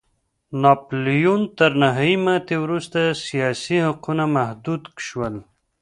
د ناپلیون تر نهايي ماتې وروسته سیاسي حقونه محدود شول.